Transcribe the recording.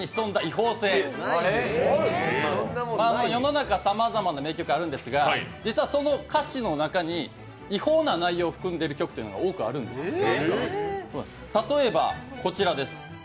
世の中さまざまな名曲あるんですが実はその歌詞の中に違法な内容を含んでいる曲というのが多くあるんですね。